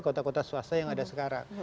kota kota swasta yang ada sekarang